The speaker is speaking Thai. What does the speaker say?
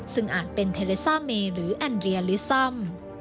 ซึ่งอาจเป็นเทเลซ่าเมหรือแอนเรียลิซัม